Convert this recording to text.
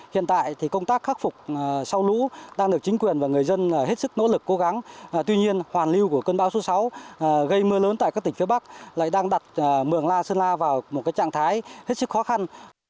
hiện tại thì công tác khắc phục sau lũ đang được chính quyền và người dân hết sức nỗ lực cố gắng tuy nhiên hoàn lưu của cơn bão số sáu gây mưa lớn tại các tỉnh phía bắc lại đang đặt mường la sơn la vào một trạng thái hết sức khó khăn